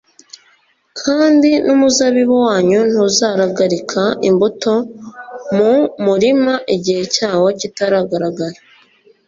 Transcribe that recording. kandi n’umuzabibu wanyu ntuzaragarika imbuto mu murima igihe cyawo kitaragaragara